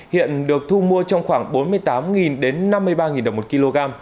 hiện được thu mua trong khoảng bốn mươi tám năm mươi ba đồng một kg